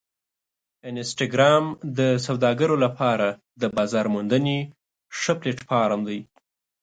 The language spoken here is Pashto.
انسټاګرام د سوداګرو لپاره د بازار موندنې ښه پلیټفارم دی.